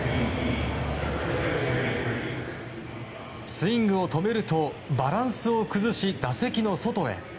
スイングを止めるとバランスを崩し、打席の外へ。